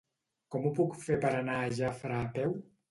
Com ho puc fer per anar a Jafre a peu?